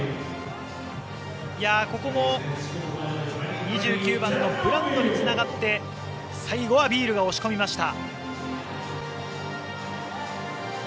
ここも、２９番のブランドにつながって最後はビールが押し込みました。